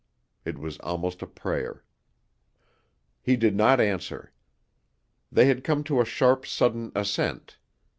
It was almost a prayer. He did not answer. They had come to a sharp sudden ascent.